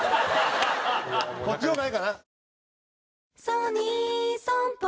こっちの方がええかな。